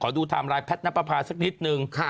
ขอดูทามไลน์แพทนปภาสักนิดนึง